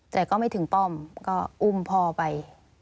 แต่ก็ไม่ถึงป้อมก็อุ้มพ่อไป